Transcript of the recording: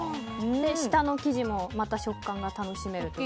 下の生地もまた食感が楽しめると。